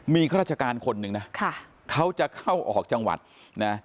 มีข้าราชการคนหนึ่งนะเขาจะเข้าออกจังหวัดนะ